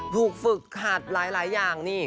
หลุดฝึกหัดร้ายอย่างนี้